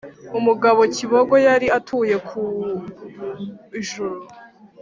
umugabo kibogo yari atuye ku ijuru,